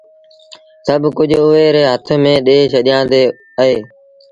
سڀ ڪجھ اُئي ري هٿ ميݩ ڏي ڇڏيآندي اهي۔